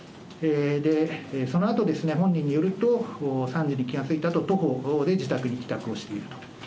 そのあと本人によると、３時に気が付いたと、徒歩で自宅に帰宅をしていると。